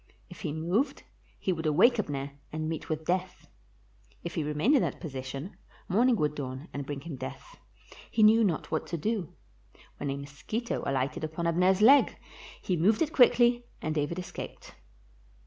If he moved, he would awake Abner and meet with death, if he remained in that position morning would dawn and bring him death; he knew not what to do, when a mosquito alighted upon Abner 's leg; he moved it quickly, and David escaped.